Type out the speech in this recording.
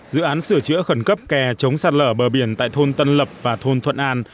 dự án sửa chữa khẩn cấp kè chống sạt lở bờ biển tại thôn tân lập và thôn thuận an